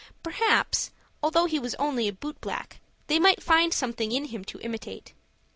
Perhaps, although he was only a boot black, they may find something in him to imitate.